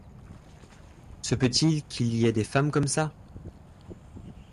Se peut-il qu’il y ait des femmes comme ça!